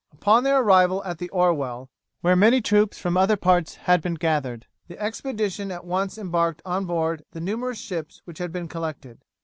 Upon their arrival at the Orwell, where many troops from other parts had been gathered, the expedition at once embarked on board the numerous ships which had been collected.